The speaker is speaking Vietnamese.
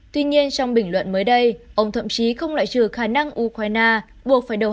tuy nhiên trong bình luận mới đây ông thậm chí không loại trừ khả năng ukraine buộc phải đầu